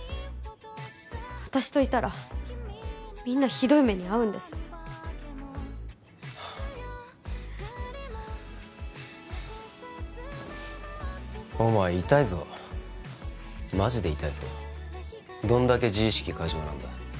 私といたらみんなひどい目に遭うんですはあお前イタイぞマジでイタイぞどんだけ自意識過剰なんだ